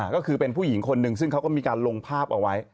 ก็คือเป็นผู้หญิงคนหนึ่งซึ่งเขาก็มีการลงภาพเอาไว้